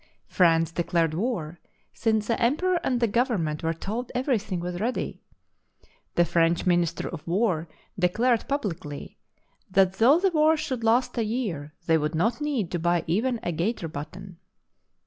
France declared war, since the emperor and the government were told every thing was ready. The French Minister of War de clared, publicly, that " though the war should last a year, they would not need to buy even a gaiter button."